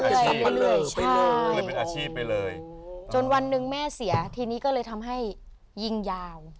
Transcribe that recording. เรื่อยเรื่อยใช่เป็นอาชีพไปเลยโอ้โหจนวันหนึ่งแม่เสียทีนี้ก็เลยทำให้ยิ่งยาว